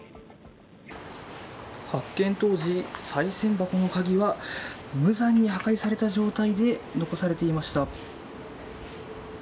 発見当時、さい銭箱の鍵は無残に破壊された状態で残されていました。